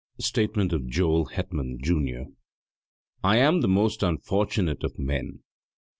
Statement of Joel Hetman, Jr.I am the most unfortunate of men.